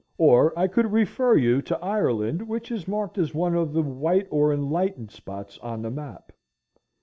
Or I could refer you to Ireland, which is marked as one of the white or enlightened spots on the map.